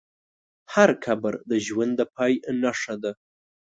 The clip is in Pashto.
هر قبر د ژوند د پای نښه ده.